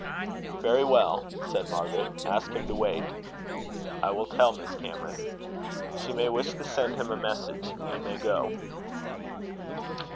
"Very well," said Margaret; "ask him to wait. I will tell Miss Cameron. She may wish to send him a message. You may go."